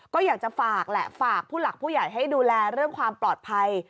ก็อยากจะฝากแหละฝากผู้หลักผู้ใหญ่ให้ดูแลเรื่องความปลอดภัย